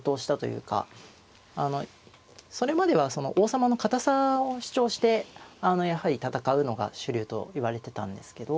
それまでは王様の堅さを主張してあのやはり戦うのが主流といわれてたんですけど